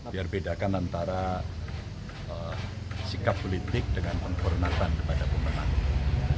biar bedakan antara sikap politik dengan penghormatan kepada pemenang